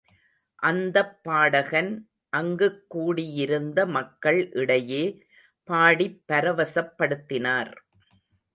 அந்தப் பாடகன் அங்குக் கூடியிருந்த மக்கள் இடையே பாடிப் பரவசப்படுத்தினார்.